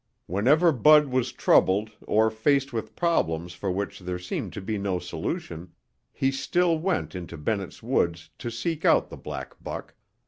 Whenever Bud was troubled or faced with problems for which there seemed to be no solution, he still went into Bennett's Woods to seek out the black buck.